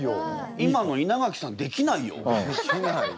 今の稲垣さんできないよ！